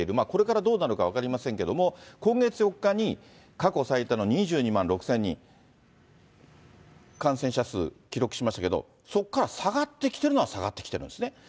これからどうなるか分かりませんけども、今月４日に、過去最多の２２万６０００人、感染者数、記録しましたけど、そこから下がってきてるのは下がってきていますね。